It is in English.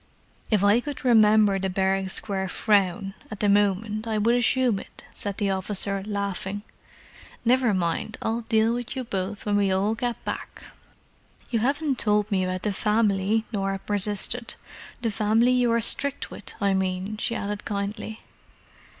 "If I could remember the barrack square frown, at the moment, I would assume it," said that officer, laughing. "Never mind, I'll deal with you both when we all get back." "You haven't told me about the family," Norah persisted. "The family you are strict with, I mean," she added kindly.